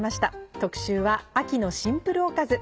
特集は「秋のシンプルおかず」。